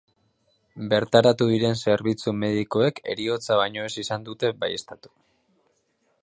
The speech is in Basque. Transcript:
Bertaratu diren zerbitzu medikoek heriotza baino ezin izan dute baieztatu.